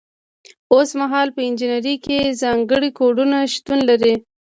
اوس مهال په انجنیری کې ځانګړي کوډونه شتون لري.